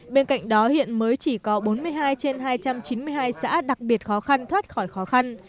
bên cạnh đó hiện mới chỉ có bốn mươi hai trên hai trăm chín mươi hai xã đặc biệt khó khăn thoát khỏi khó khăn